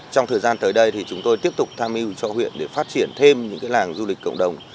trong thời gian tới đây thì chúng tôi tiếp tục tham mưu cho huyện để phát triển thêm những làng du lịch cộng đồng